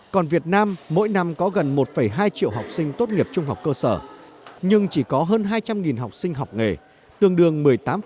còn việt nam mỗi năm có gần một hai triệu học sinh tốt nghiệp trung học cơ sở nhưng chỉ có hơn hai trăm linh học sinh học nghề tương đương một mươi tám